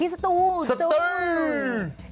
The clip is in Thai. สตุร์ม